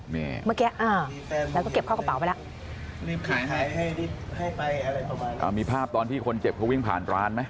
เมื่อกี้อ่าแล้วก็เก็บเข้ากระเป๋าไปแล้วมีภาพตอนที่คนเจ็บเขาวิ่งผ่านร้านไหม